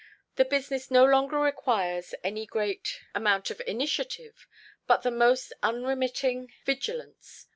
The business no longer requires any great amount of initiative, but the most unremitting vigilance.